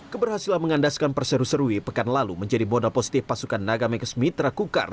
keberhasilan mengandaskan perseru serui pekan lalu menjadi moda positif pasukan naga mekes mitra gukar